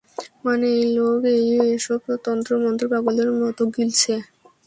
মানে, এই, লোক, এই এসব তন্ত্র-মন্ত্র পাগলের মত গিলছে।